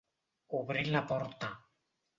Obrir la porta.